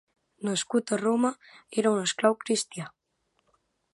Nascut a Roma, era un esclau cristià.